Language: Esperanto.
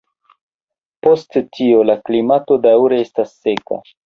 Post tio la klimato daŭre estas seka.